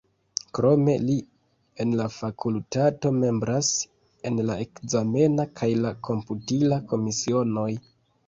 Krome li en la fakultato membras en la ekzamena kaj la komputila komisionoj.